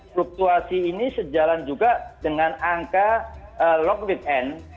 fluktuasi ini sejalan juga dengan angka long weekend